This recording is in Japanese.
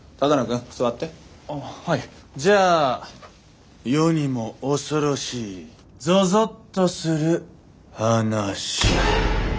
じゃあ世にも恐ろしいゾゾッとする話。